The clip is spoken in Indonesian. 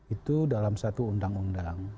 itu dalam satu undang undang